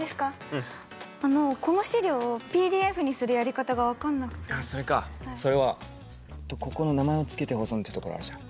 うんあのこの資料をＰＤＦにするやり方が分かんなくてああそれかそれはここの「名前を付けて保存」っていうところあるじゃん